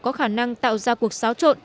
có khả năng tạo ra cuộc xáo trộn